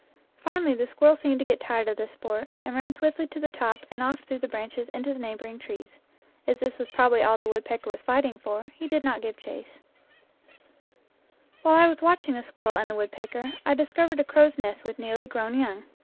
Finally the squirrel seemed to get tired of the sport, and ran swiftly to the top and off through the branches into the neighboring trees. As this was probably all the woodpecker was fighting for, he did not give chase. 90 IN FIELD AND WOOD While I was watching the squirrel and the wood pecker, I discovered a crow's nest with nearly grown young.